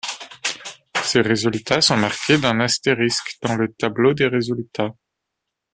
Ces résultats sont marqués d'un astérisque dans le tableau de résultats.